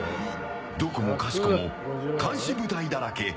どこもかしこも監視部隊だらけ。